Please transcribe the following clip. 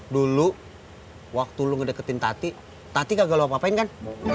dulu waktu lu ngedeketin tati tati gagal lo apa apain kan